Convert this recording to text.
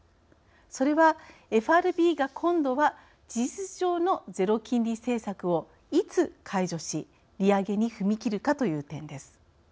それは、ＦＲＢが今度は事実上のゼロ金利政策をいつ解除し利上げに踏み切るか？という点です。